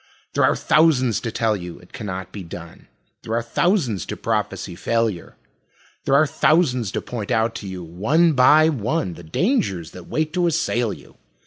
There are thousands to tell you it cannot be done, There are thousands to prophesy failure; There are thousands to point out to you one by one, The dangers that wait to assail you.